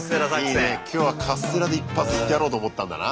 いいね今日はカステラで一発いってやろうと思ったんだな。